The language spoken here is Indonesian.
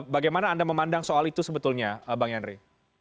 bagaimana anda memandang soal itu sebetulnya bang yandri